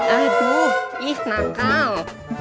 aduh ih nakal